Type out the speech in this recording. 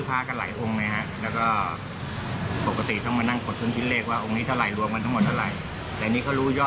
อายุเท่าไหร่